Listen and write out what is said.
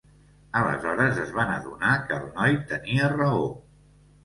Aleshores es van adonar que el noi tenia raó.